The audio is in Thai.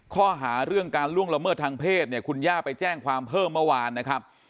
ข้อหาเรื่องการล่วงละเมิดทางเพศเนี่ยคุณย่าไปแจ้งความเพิ่มเมื่อวานนะครับ